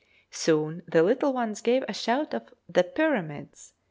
Soon the little ones gave a shout of 'The Pyramids!'